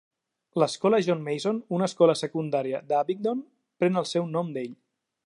L'escola John Mason, una escola secundària a Abingdon, pren el seu nom d'ell.